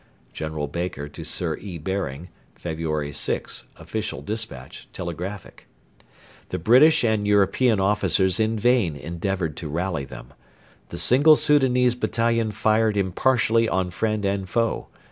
[General Baker to Sir E. Baring, February 6 (official despatch), telegraphic.] The British and European officers in vain endeavoured to rally them. The single Soudanese battalion fired impartially on friend and foe.